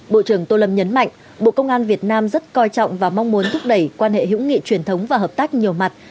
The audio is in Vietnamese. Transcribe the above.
bộ trưởng tô lâm nhấn mạnh bộ công an việt nam rất coi trọng và mong muốn thúc đẩy quan hệ hữu nghị truyền thống và hợp tác nhiều mặt